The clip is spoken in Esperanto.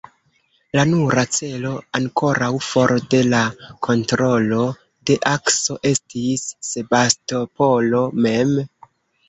La nura celo ankoraŭ for de la kontrolo de Akso estis Sebastopolo mem.